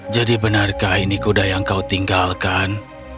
jadi benarkah ini kuda yang kau tinggalkan